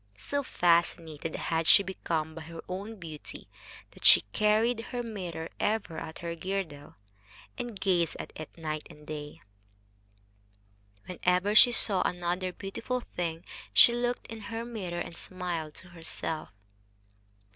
So fascinated had she become by her own beauty that she carried her mirror ever at her girdle, and gazed at it night and day. Whenever she saw another beautiful thing she looked in her mirror and smiled to herself.